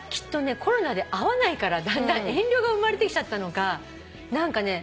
コロナで会わないからだんだん遠慮が生まれてきちゃったのか何かね。